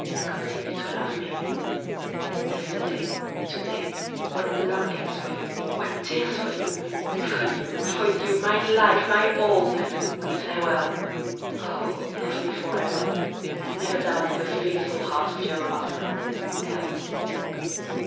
Continue to love me. Yesterday, to day, what longings for you, what tears for you! for you! for you! my life! my all! Farewell! Oh! love me forever, and never doubt the faithful heart of your lover, L.